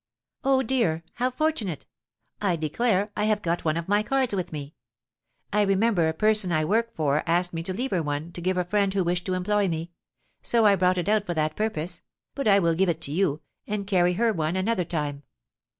"Oh, dear, how fortunate! I declare I have got one of my cards with me! I remember a person I work for asked me to leave her one, to give a friend who wished to employ me. So I brought it out for that purpose; but I will give it to you, and carry her one another time."